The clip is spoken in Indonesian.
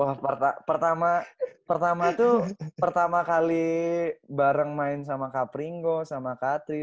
wah pertama pertama tuh pertama kali bareng main sama kak feringo sama kak atri